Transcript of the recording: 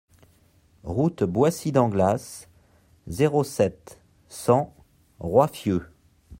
Route Boissy d'Anglas, zéro sept, cent Roiffieux